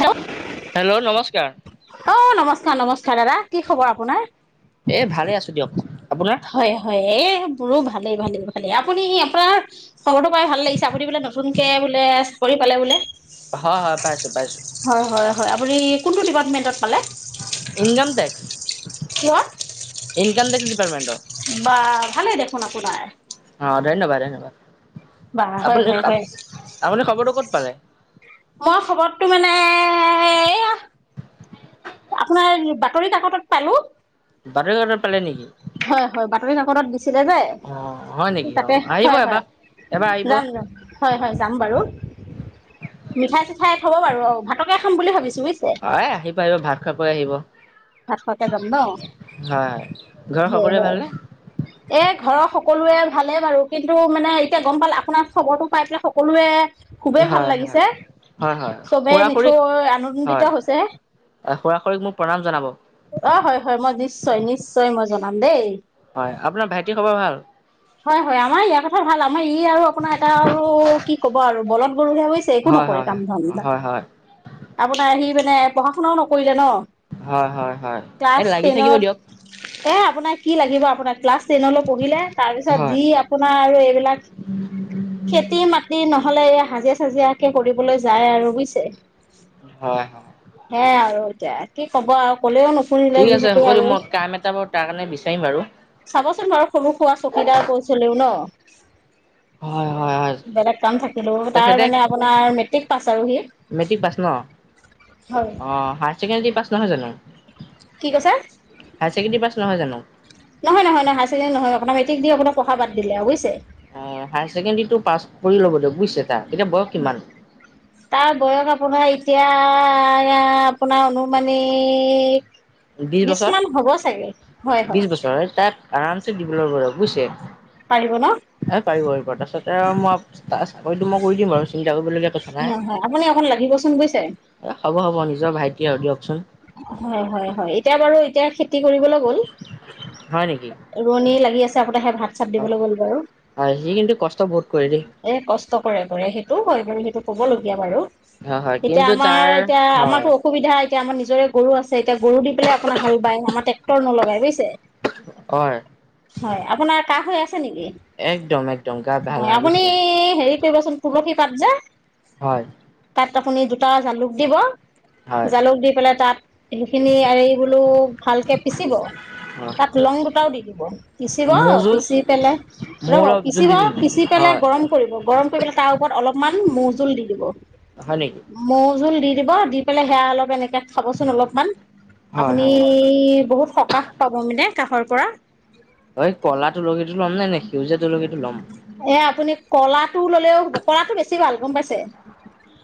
Hello, hello নমস্কাৰ অ', নমস্কাৰ নমস্কাৰ দাদা কি খবৰ আপোনাৰ? এই ভালে আছো দিয়ক বব বব হয়, হয়, এ ভালেই, ভালেই, ভালেই, আপুনি আপোনাৰ খবৰটো পাই ভাল লাগিছে আপুনি বোলে নতুনকে বোলে- পালে বোলে হয়, হয়, পাইছো পাইছো হয় হয় হয়, আপুনি কোনটো ডিপাৰ্টমেণ্টত পালে ইনকম টেক্স কোৱা ইনকাম টেক্স ডিপাৰ্টমেণ্টৰ বা ভালেই দেখোন আপোনাৰ অ', ধন্যবাদ, ধন্যবাদ, বা হয় আপুনি হয় হয় আপুনি খবৰটো ক'ত পালে? মই খবৰটো মানে, হে আপোনাৰ বাতৰি কাকতত পালো [unintelligible] পালে নেকি? হয় হয় বাতৰি কাকতত দিছিলে যে। অ হয় নেকি অ তাতে আহিব হয় হয় এবাৰ এবাৰ আহিব যাম যাম হয় হয় যাম বাৰু। মিঠাই-চিঠাই থ'ব বাৰু অ ভাতকে খাম বুলি ভাবিছো। বুজিছে অ আহি পাৰিব ভাত খোৱাকৈ আহিব। ভাত খোৱকে যাম ন, হয়। ঘৰৰ সকলোৰে [unintelligible] ভালনে এ ঘৰৰ স সকলোৱে ভালেই বাৰু, কিন্তু মানে এতিয়া গম পালে আপোনাৰ খবৰটো পাই পেলাই সকলোৱে খুবেই ভাল হয় হয় লাগিছে, হয় হয় চবেই খুৰা নিঠৈ আনন্দিত হৈছে। খুৰা-খুৰিক মোক প্ৰণাম জনাব। অ হয় হয় মই নিশ্চয় নিশ্চয় মই জনাম দেই। হয় আপোনাৰ ভাইটি সব হয় হয় আমাৰ ইয়াৰ কথা ভাল আমাৰ ই আৰু আপোনাৰ এটা আৰু কি ক'ব আৰু। বলত গৰুহে হৈছে একো হয় নকৰে হয় হয় কাম-চাম। হয় হয় আপোনাৰ আহি মানে পঢ়া শুনাও নকৰিলে ন। হয় হয় হয় এ ক্লাছ লাগি থাকিব টেনত দিয়ক। এ আপোনাক কি লাগিব আপোনাক ক্লাছ টেনলৈ পঢ়িলে তাৰপিছত হয়, যি আপোনাৰ আৰু এইবিলাক খেতি মাটি নহ'লে হাজে চাজিৰাকে কৰিবলৈ যায় আৰু বুজিছে, হয়, হয়। সেয়াই আৰু এতিয়া কি ক'ব আৰু কলেও নুশুনিলে ঠিক আছে যিহেতু হ'ব আৰু। দিয়ক মই কাম এটা বাৰু তাৰ কাৰণে বিচাৰিম বাৰু। চাবচোন বাৰু সৰু সুৰা চকীদাৰ পচ হলেও ন [inaudible] হয়। বেলেগ কাম থাকিলো, তাৰ তেখেতে মানে আপোনাৰ মেট্ৰিক পাছ আৰু সি। মেট্ৰিক পাছ ন? হয়। অ হায়াৰ ছেকেণ্ডাৰী পাছ নহয় জানো? কি কৈছে? হায়াৰ ছেকেণ্ডাৰী পাছ নহয় জানো? নহয়-নহয়-নহয় হায়াৰ ছেকেণ্ডাৰী নহয়, আপোনাৰ মেট্ৰিক দি আপোনাৰ পঢ়া বাদ দিলে বুজিছে। অ হায়াৰ ছেকেণ্ডাৰীটো পাছ কৰি ল'ব দিয়ক বুজিছে। তাৰ, এতিয়া বয়স কিমান? তাৰ বয়স আপোনাৰ এতিয়া আপোনাৰ অননুমানিক বিশ বছৰ। হয় হয় বিশ বছৰ এই তাই আৰামছে [unintelligible] বুজিছে পাৰিব ন এ পাৰিব পাৰিব তাৰপাছতে আৰু মই হইটো মই কৰি দিম বাৰু চিন্তা কৰিবলগীয়া কথা নাই। এ হয় হয় আপুনি অকণ লাগিবচোন বুজিছে। হ'ব হ'ব। অ নিজৰ ভাইটি আৰু দিয়কচোন। হয় হয় হয় এতিয়া বাৰু এতিয়া কি কৰিবলৈ গ'ল। হয় নেকি? ৰোৱনী লাগি আছে আগতে সেই ভাত ভাত দিবলৈ গ'ল বাৰু, হয়, সি কিন্তু কষ্ট বহুত কৰে দেই। এ কষ্ট কৰে কৰে সেইটো হয় বাৰু হেইটো কবলগীয়া বাৰু। হয়, হয় এতিয়া কিন্তু আমাৰ তাৰ এতিয়া হয়, আমাৰতো অসুবিধা এতিয়া আমাৰ নিজৰ নিজৰে গৰু আছে, এতিয়া গৰু দি পেলাই আপোনাৰ হাল বায়, আমাৰ ট্ৰেক্টৰ নলগাই বুজিছে। হয়। হয়। আপোনাৰ কাহ হৈ আছে হৈছে নেকি। একদম একদম গা ভাল হয় নাই আপুনি বুজিছে হেৰি কৰিবচোন তুলসী পাত যে হয়। তাত আপুনি দুটা জালুক দিব, হয় জালুক দি পেলাই তাত সেইখিনি এই বোলো ভালকে পিচিব তাত লং দুটাও দি দিব, পিচিব মোৰ জোল পিচি পেলাই ৰব মোৰ জোল পিচিব দি দিবি পিচি পেলাই এ হয় গৰম কৰিব, গৰম কৰিপে লাই তাৰ ওপৰত অকমান মৌ জুল দি দিব, হয় নেকি মৌ জুল দি দিব দি পেলাই সেয়া অলপ এনেকে খাবচোন অলপমান, হয় আপুনি হয় বহুত সকাহ পাব মানে কাঁহৰ পৰা। ঐ কলা তুলসী টো ল'ম নাই নে সেউজীয়া তুলসীটো ল'ম। এ আপুনি ক'লাটো ল'লেও হ'ব। ক'লাটো বেছি ভাল গম পাইছে।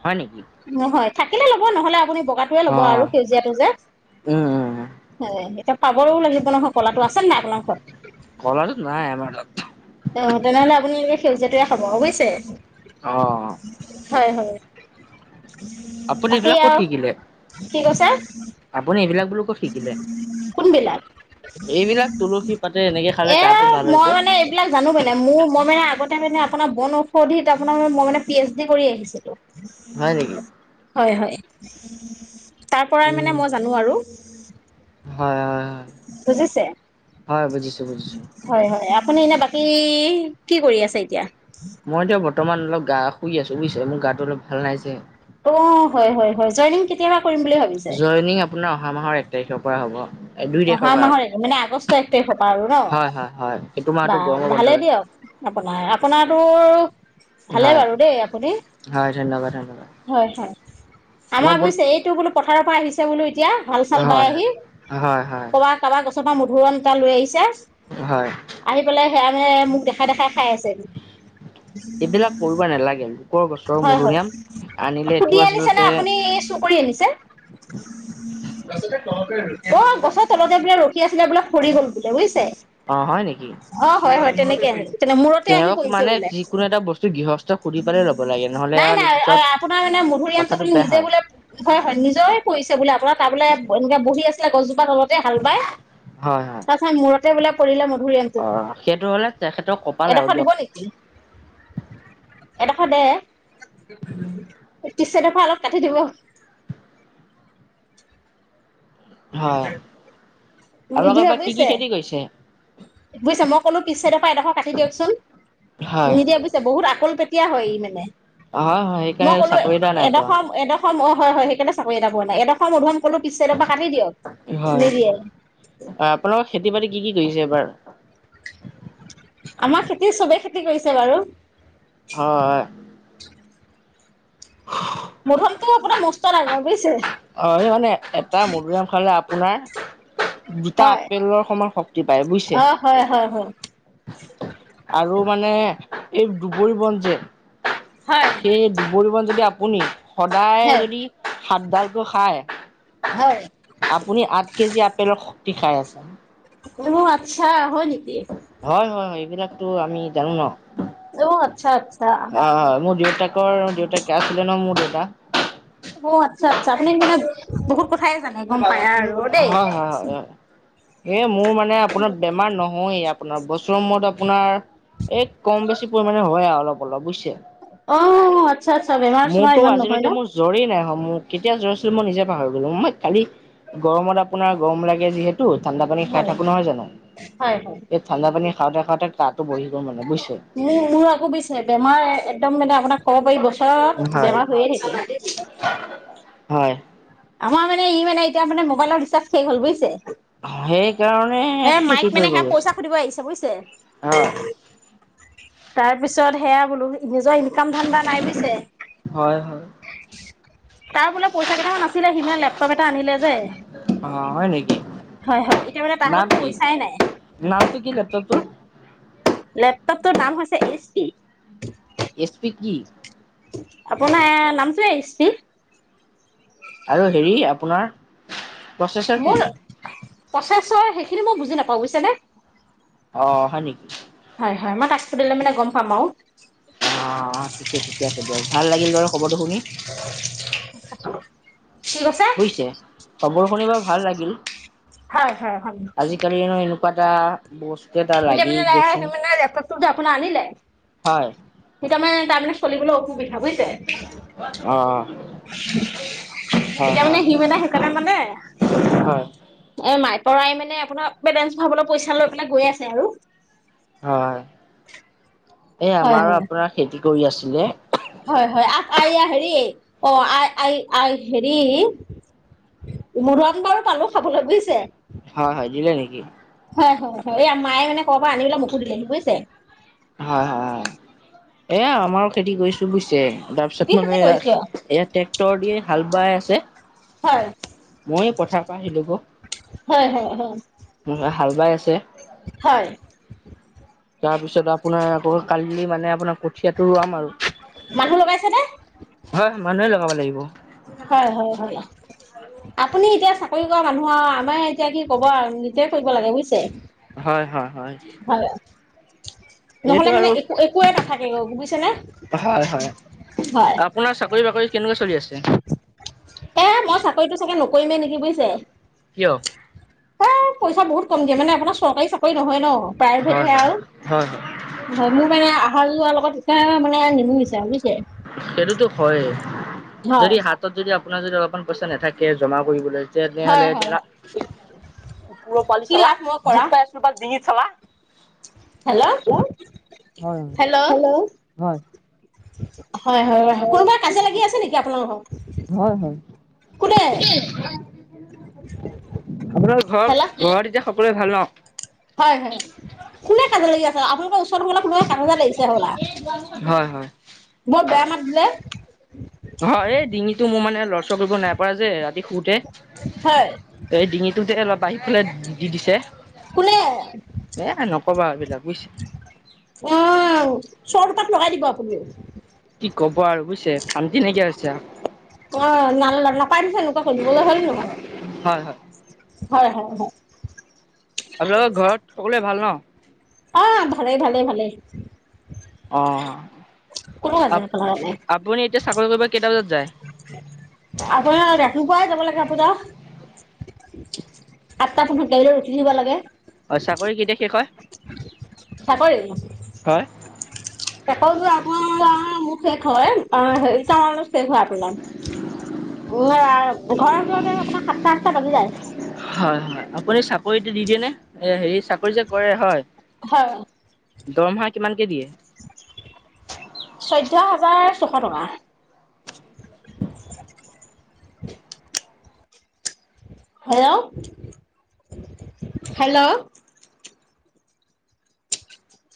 হয় নেকি। নহয় থাকিলে ল'ব নহলে আপুনি বগাটোৱে অ ল'ব আৰু সেউজীয়াটো যে উম উম পাবও লাগিব নহয় কলাটো আছে নে নাই আপোনাৰ ঘৰত? কলাটোত নাই আমাৰ তাত অ', তেনেহ'লে আপুনি এই সেউজীয়াটোৱে খাব বুজিছে। অ হয়, হয়। আপুনি বাকী এইবিলাক ক'ত আৰু শিকিলে কি কৈছে, আপুনি এইবিলাক বোলো ক'ত শিকিলে কোনবিলাক? এইবিলাক তুলসী পাতে এনেকে খালে এ গাটো ভাল হয় মই যে মানে এইবিলাক মোৰ মানে মোৰ মই মানে আগতে মানে আপোনাৰ বন ঔষধিত আপোনাৰ মই মানে পি এইচ ডি কৰি আহিছিলো। হয় নেকি হয় হয়। তাৰ পৰাই উম মানে মই জানো আৰু। হয় হয় বুজিছে হয় হয় বুজিছো বুজিছো হয় হয় আপুনি এনে বাকী কি কৰি আছে এতিয়া? মই এতিয়া বৰ্তমান অলপ গা শুই আছো বুজিছে মোৰ গাটো অলপ ভাল নাই যে। অ', হয়, হয়, হয় জইনিং কে জইনিং আপোনাৰ অহা মাহৰ এক তাৰিখৰ পৰা হ'ব। দুই অহা তাৰিখৰ পৰা হ'ব। মাহৰ মানে আগষ্ট এক তাৰিখৰ পৰা আৰু ন হয় হয় হয় এইটো মাহতো বা গৰমৰ ভালেই বন্ধই দিয়ক। আপোনাৰ আপোনাৰ তোৰ ভালে হয় বাৰু দেই আপুনি ধন্যবাদ ধন্যবাদ হয়, হয়। মই আমাৰ বহুত বুজিছে এইটো বোলো পথাৰৰ পৰা আহিছে বোলো এতিয়া হাল চাল বাই হয় আহি। হয় হয় কবাৰ কাৰোবাৰ গছৰ পৰা মধুৰিআম এটা লৈ আহিছে। হয়। আহি পেলাই সেয়া হে মোক দেখাই দেখাই খাই আছে। এইবিলাক কৰিব নালাগে লোকৰ গছৰ হয়, হয় মধুৰিআম আনিলে এইটো সুধি আনিছে নে আচলতে আপুনি ই চুৰ কৰি আনিছে? অ', গছৰ তলতে বোলে ৰখি আছিলে বোলে সৰি গ'ল বোলে বুজিছে। অ', হয় নেকি? অ হয় হয় তেনেকে আহি তেনে মূৰতে আহি তেওঁক পৰিছে মানে বোলে। যিকোনো এটা বস্তু গৃহস্থ সুধি পালে ল'ব লাগে নহ'লে নাই আৰু নাই পিছত আপোনাৰ মানে মধুৰিআমটো কথাটো বোলে বেয়া নিজে হয় বোলে হয় হয় নিজৰে পৰিছে বোলে আপোনাৰ তাৰ বোলে বহি আছিলে গছ তলতে হাল বায়। হয় হয় তাৰ পিছতে মূৰতে বোলে পৰিলে মধুৰিআমটো। অ সেইটো হ'লে তেখেতৰ কপাল আৰু দিয়ক। এডোখ দে। পিছ চাইডৰ পৰা অলপ কাটি দিব। হয় আপোনালোকৰ নিদিয়ে এইবাৰ কি কি বুজিছে। খেতি কৰিছে বুজিছা মই ক'লো পিছ চাইডৰ পৰা এডোখৰ কাটি হয় দিয়কচোন। এতিয়া বুজিছে বহুত আকল পেতিয়া হয় ই মানে। হয় হয় মই সেইকাৰণে ক'লো চাকৰি এটা নাই এডোখ পোৱা এডোখৰ হয় হয় সেই কাৰণে চাকৰি এটা পোৱা নাই। এডোখৰ মধুৰিআম ক'লো পিছ চাইডৰ পৰা কাটি দিয়ক হয় নিদিয়ে। গৈছে এবাৰ। কি কৰিছে বাৰু? হয়। [inaudible] মধুৰিআমটো আপোনাৰ মস্ত ডাঙৰ বুজিছে। অ', এই মানে এটা মধুৰিআম খালে আপোনাৰ দুটা হয় আপেলৰ সমান শক্তি পায় বুজিছে। অ হয় হয় হয় আৰু মানে এই দুবৰি বন যে হয় সেই দুবৰি বন যদি আপুনি সদায় হয় যদি হাতডাল খাই। হয় আপুনি আঠ কেজি আপেলৰ শক্তি খাই আছে। অ', আচ্ছা হয় নেকি? এইবিলাকো আমি জানো ন। অ আচ্ছা আচ্ছা অ', হয় মোৰ দেউতাকৰ দেউ [unintelligible] আছিল ন মোৰ দেউতা। অ', আচ্ছা আচ্ছা আপুনি মানে বহুত কথাই জানে গম পায়। আৰু দেই হয়, হয়, হয়। এ মোৰ মানে আপোনাৰ বেমাৰ নহয় আপোনাৰ বছৰ মূৰত আপোনাৰ এই কম বেছি পৰিমাণে হয় আৰু অলপ অলপ বুজচে। অ আচ্ছা আচ্ছা বেমাৰ চেমাৰ মোৰতো ইমান নহয় আজিলৈকে মোৰ ন জৰী নাই হোৱা মোৰ কেতিয়া জ মই নিজে পাহৰি গ'লো মই কালি গৰমত আপোনাৰ গৰম লাগে যিহেতু তো ঠাণ্ডা পানী খাই হয় থাকো নহয় জানো। হয় হয় এই ঠাণ্ডা পানী খাওঁতে খাওঁতে কাহটো বহি গ'ল মানে বুজিছে। মোৰ মোৰ আকৌ বুজিছে বেমাৰ একদম মানে আপোনাক ক'ব পাৰি বছৰত হয় বেমাৰ হৈয়ে থাকিল। হয়। আমাৰ মানে মানে এতিয়া মানে মবাইলৰ ৰিচাৰ্ শষ হ'ল বুজছে। সেইকাৰণে এ খেতি মাইক মানে কৰিব সে গৈছে। পইচা সুধিব আহিছে বুজিছে। হয় তাৰ পিছত সেয়া বোলো নিজৰ ইনকাম ধান্দা নাই পৈছে। হয় হয় তাৰ বোলে পইচা কেইটামান আছিলে সিমান লেপটপ এটা আনিলে যে অ হয় নেকি হয় হয় এতিয়া মানে তাৰ নাম হাতত কি পইচাই নাই নামটো কি লেপটপ তোৰ? লেপটপটোৰ নাম হৈছে এচ পি। এছপিড কি? আপোনাৰ নামটোয়ে এছ পি। আৰু হেৰি আপোনাৰ প্ৰচেছৰ কি? পঁচাছ ছয় সেইখিনি মই বুজি নাপাওঁ বুজিছ নে। অ' হয় নেকি। হয় হয় মই ত্পতিলে মানে গ'ম পাম আৰু। অ' অ' ঠিকে ঠিকে আছে দিয়ক ভাল লাগিল বাৰ খবৰটো শুনি। কি কছে? কবৰ শুনিব ভাল লাগিল। হয়, হয়, হয়। পাদা এতিয়া মান মানে লপতপ আনিল। হয় তাৰমানানে তাৰমানানে চলিবলৈ অসুবিধা বুজছে। অ হয় এতিয়া মানে হয় সি মেনে সেইকাৰণে মানে হয় এ মাই পৰাই মানে আপোনাৰ বেলেঞ্চ ভাবলৈ পইচা লৈ পেলাই গৈ আছে আৰু। হয় এ হয় আমাৰো হয় আপোনাৰ খেতি কৰি আছিলে। আই হেৰি অ', আ আ আই হেৰি মধুৰাম বাৰু পালো খাবলৈ বুজিছে। হয় হয় দিলে নেকি? হয়, হয়, হয়, এই মায়ে মানে ক'ৰ পৰা আনিবলৈ মোকো দিলে বুজিছে। হয়, হয়, হয় এয়া আমাৰো খেতি কৰিছো বুজিছে। কি তাৰপিছত মানে খেতি কৰিছ? এয়া ট্ৰেক্টৰ দিয়ে হাল বাই আছে। হয় মইয়ে পথাৰ পা আহিলো গৈ। হয়, হয়, হয়। হাল বাই আছে। হয় তাৰপিছত আপোনাৰ আকৌ কালি মানে আপোনাক কঠিয়টো ৰোৱাম আৰু মানুহ লগাইছে নে হয় মানুহে লগাব লাগিব। হয় হয় হয় আপুনি এতিয়া চাকৰি কৰা মানুহ আৰু আমাৰ এতিয়া কি ক'ব আৰু নিজয়ে কৰিব লাগে বুজিছে। হয়, হয়, হয়। হয়। এইটো নহ'লে মানে আৰু একো একোৱে নাথাকে বুজিছে নে। হয় হয় আপোনাৰ চাকৰি বাকৰি কেনেকুৱা চলি আছে? এ মই চাকৰিতটো চাকে নকৰিমে নেকি বুজিছে। এ [unintelligible] পইচা বহুত কম দিয় মানে আপোনাৰ চৰী চাকৰি নহয় ন'। প্ৰায়ভেট হয় হে হয় আৰু হয় হয় হয়, মোৰ মানে আহাৰ যোৱাৰ লগত এয়া মানে নিমু নিচাৰ সেইটোতো হয়ে, হয় যদি হাতত যদি আপোনাৰ যদি অলপমান পইচা নাথাকে, জমা কৰিবলৈ হয় তেনেহ'লে হয় হয় কুকুৰৰ পোৱালি কি চালা, লাভ মই দুখ কৰা পাই আছো বা ডিঙিত চালা। হেল্ল', হয় হেল্ল'। হয় হয়, হয়, হয়, কোনোবাই কাজিয়া লাগি আছে নেকি আপোনালোৰ লগত? হয় হয় আপোনাৰ ঘৰত, ঘৰত এতিয়া সকলোৱে হেল্ল'। ভাল ন'? হয়, হয়, কোনে কাজিয়া লাগি আছে আপোনালোকৰ ওচৰ ফালে কোনোবা কাজিয়া লাগিছে। হ'বলা। হয়, হয়। বৰ বেয়া মাত দিলে অ', এই ডিঙিটো মোৰ মানে লৰচৰ কৰিব নাইপৰা যে শুওঁতে, হয় এই ডিঙিটোতে অলপ বাহিৰ ফালে দি দিছে। এ, নকবা এইবিলাক। বুজিছে অ', চৰ দুপাত লগাই দিব আপুনিও। কি ক'ব আৰু বুজিছে, শান্তি নাইকিয়া হৈছে। অ', নাল নাপাই নহয় এনেকুৱা কৰিবলৈ, হয়নে নহয়? হয় হয় হয়, হয়, হয়। আপোনালোকৰ ঘৰত সকলোৱে ভাল ন'? আহ, ভালেই, ভালেই, ভালেই। কোনো অ', কাজিয়া পেলোৱা নাই আপুনি এতিয়া চাকৰি কৰিব কেতা আপোনাৰ ৰাতিপুৱাই যাব লাগে আপোনা আঠটা পোন্ধৰত গাড়ীত উঠি দিব লাগে। অ', চাকৰি কেতিয়া শেষ হয়? চাকৰি, হয় চাকৰিটো আপোনাৰ ম ম শেষ হয়, অ', হেৰিতা মানত শেষ হয় আপোনাৰ উ, ঘৰ আহি পাওঁতে। আপোনাৰ সাতটা আঠটা বাজি যায় হয় হয় আপুনি চাকৰিটো দি দিয়ে নে, এ হেৰি চাকৰি যে কৰে হয় হয়। দৰমহা কিমানকে দিয়ে? চৈধ্য হাজাৰ ছশ টকা। Hello, hello.